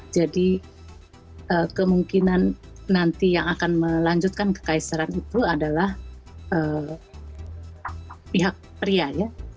jadi kemungkinan nanti yang akan melanjutkan kekaisaran itu adalah pihak pria ya